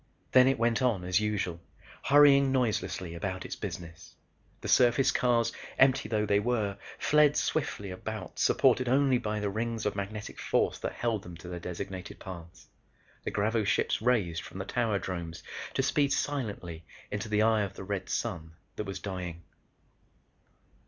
Then it went on as usual, hurrying noiselessly about its business. The surface cars, empty though they were, fled swiftly about supported only by the rings of magnetic force that held them to their designated paths. The gravoships raised from the tower dromes to speed silently into the eye of the red sun that was dying.